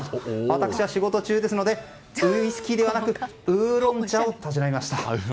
私は仕事中ですのでウイスキーではなくウーロン茶をたしなみました。